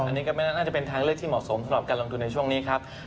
อันนี้ก็ไม่น่าจะเป็นทางเลือกที่เหมาะสมสำหรับการลงทุนในช่วงนี้ครับ